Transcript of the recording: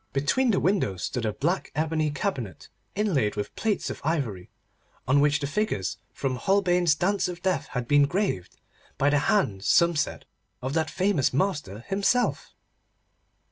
Between the windows stood a black ebony cabinet, inlaid with plates of ivory, on which the figures from Holbein's Dance of Death had been graved—by the hand, some said, of that famous master himself.